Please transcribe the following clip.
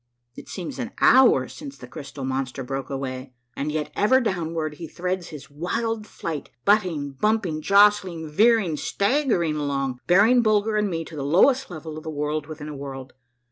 It seems an hour since the crystal monster broke away, and yet ever downward he threads his wild flight, butting, bumping, jostling, veering, staggering along, bearing Bulger and me to the lowest level of the World within a World.